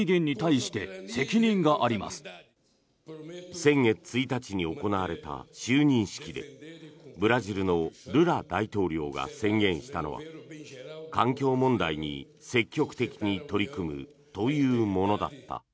先月１日に行われた就任式でブラジルのルラ大統領が宣言したのは環境問題に積極的に取り組むというものだった。